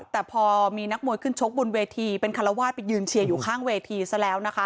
แต่พอมีนักมวยขึ้นชกบนเวทีเป็นคารวาสไปยืนเชียร์อยู่ข้างเวทีซะแล้วนะคะ